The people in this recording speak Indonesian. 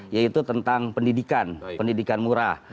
yaitu tentang pendidikan pendidikan murah